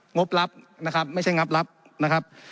งบรับนะครับไม่ใช่งบรับนะครับ